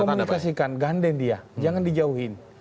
komunikasikan gandeng dia jangan dijauhin